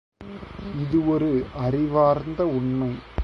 இது ஒரு அறிவார்ந்த உண்மை.